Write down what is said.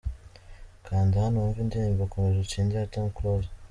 Kanda hano wumve indirimbo Komeza Utsinde ya tom close.